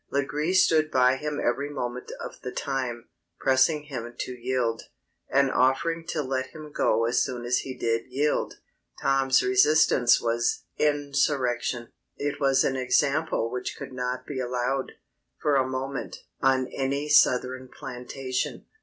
Legree stood by him every moment of the time, pressing him to yield, and offering to let him go as soon as he did yield. Tom's resistance was insurrection. It was an example which could not be allowed, for a moment, on any Southern plantation.